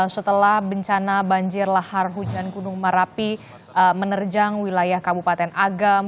setelah bencana banjir lahar hujan gunung merapi menerjang wilayah kabupaten agam